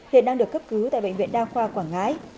hiện đang được cấp cứu tại bệnh viện đa khoa quảng ngãi